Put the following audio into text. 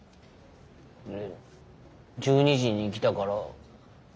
え１２時に来たから。